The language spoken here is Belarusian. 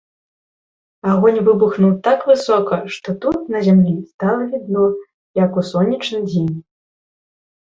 Агонь выбухнуў так высока, што тут, на зямлі, стала відно, як у сонечны дзень.